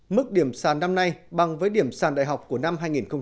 mức điểm sàn năm nay bằng với điểm sàn đại học của năm hai nghìn một mươi năm